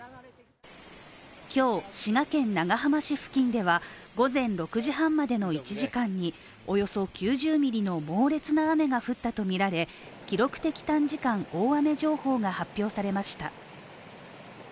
今日、滋賀県長浜市付近では午前６時半までの１時間におよそ９０ミリの猛烈な雨が降ったとみられ記録的短時間大雨情報が発表されました。